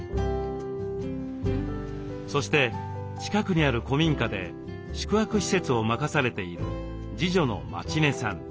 そして近くにある古民家で宿泊施設を任されている次女の舞宙音さん。